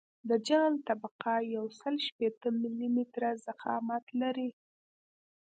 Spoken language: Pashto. د جغل طبقه یوسل شپیته ملي متره ضخامت لري